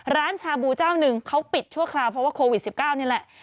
ชาบูเจ้าหนึ่งเขาปิดชั่วคราวเพราะว่าโควิด๑๙นี่แหละ